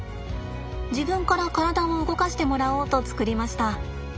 自分から体を動かしてもらおうと作りました。